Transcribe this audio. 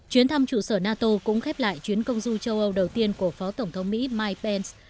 chuyến thăm trụ sở nato cũng khép lại chuyến công du châu âu đầu tiên của phó tổng thống mỹ mike pence